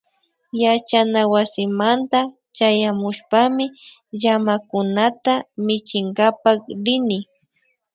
Yachanawasimanta chayamushpami llamakunata michinkapak rini